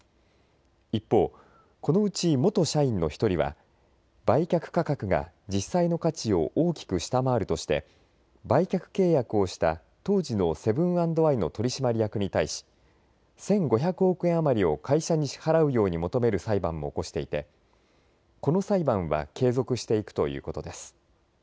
一方、このうち元社員の１人は売却価格が実際の価値を大きく下回るとして売却契約をした当時のセブン＆アイの取締役に対し１５００億円余りを会社に支払うように求める裁判も起こしていてこの裁判は継続していくということです。